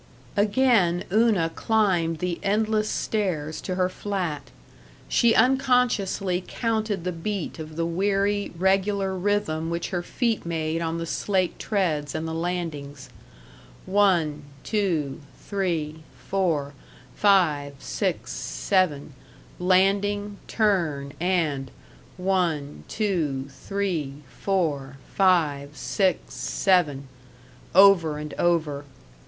§ 7 Again Una climbed the endless stairs to her flat. She unconsciously counted the beat of the weary, regular rhythm which her feet made on the slate treads and the landings one, two, three, four, five, six, seven, landing, turn and one, two, three, four, five, six, seven over and over.